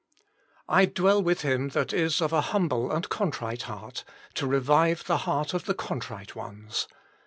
I dwell with him that is of a humble and contrite heart, to revive the heart of the contrite ones."